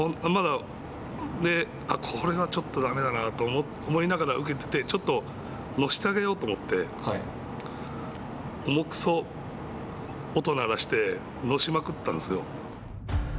これはちょっとだめだなと思いながら受けててちょっとのせてあげようと思っておもっくそ音を鳴らしてのしまくったんですよ。